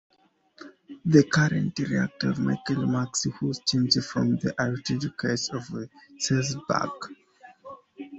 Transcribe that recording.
The current rector is Michael Max who stems from the archdiocese of Salzburg.